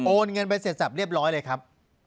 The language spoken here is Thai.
เงินไปเสร็จสับเรียบร้อยเลยครับ